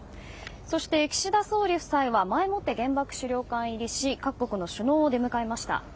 そして、岸田総理夫妻は前もって原爆資料館入りし各国の首脳を出迎えました。